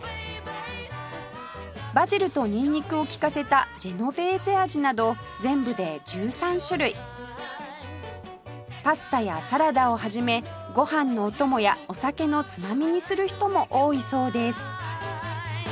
バジルとニンニクを利かせたジェノベーゼ味など全部で１３種類パスタやサラダをはじめご飯のお供やお酒のつまみにする人も多いそうです